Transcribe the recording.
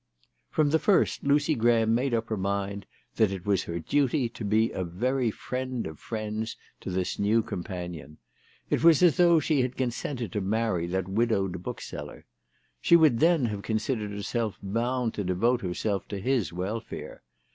From the first Lucy Graham made up her mind that it was her duty to be a very friend of friends to this new companion. It was as though she had consented to marry that widowed bookseller. She would then have considered herself bound to devote herself to his welfare.